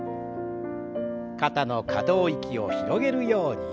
肩の可動域を広げるように。